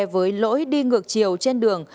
với lỗi đi ngược chiều trên đường